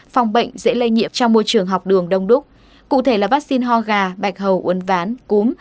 phòng bệnh dễ lây nhiễm trong môi trường học đường đông đúc cụ thể là vaccine ho gà bạch hầu uốn ván cúm